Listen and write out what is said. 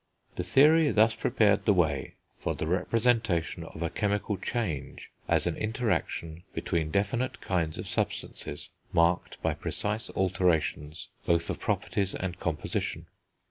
The theory thus prepared the way for the representation of a chemical change as an interaction between definite kinds of substances, marked by precise alterations both of properties and composition.